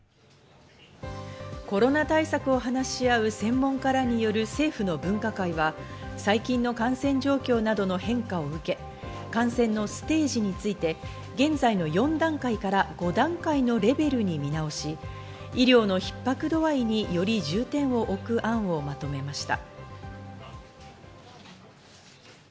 コロナ対策を話し合う専門家らによる政府の分科会は、最近の感染状況などの変化を受け、感染のステージについて現在の４段階から５段階のレベルに見直し、医療のひっ迫度合いにより重点を置く案をまとめました。